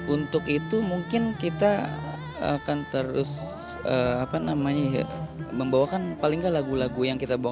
untuk itu mungkin kita akan terus membawakan paling nggak lagu lagu yang kita bawa